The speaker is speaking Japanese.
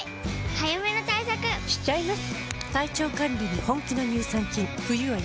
早めの対策しちゃいます。